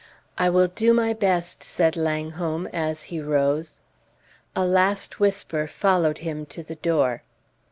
"I will do my best," said Langholm, as he rose. A last whisper followed him to the door.